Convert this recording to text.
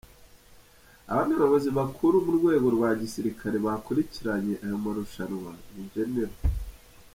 Abandi bayobozi bakuru mu rwego rwa gisirikare bakurikiranye aya marushanwa ni Gen.